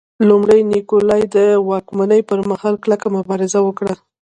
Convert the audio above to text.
لومړي نیکولای د واکمنۍ پرمهال کلکه مبارزه وکړه.